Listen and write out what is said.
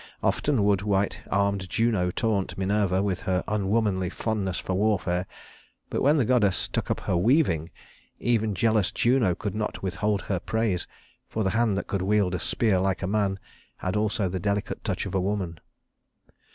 Often would white armed Juno taunt Minerva with her unwomanly fondness for warfare; but when the goddess took up her weaving, even jealous Juno could not withhold her praise, for the hand that could wield a spear like a man had also the delicate touch of a woman.